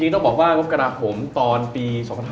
จริงต้องบอกว่างบกกระดาษห่มตอนปี๒๕๒๒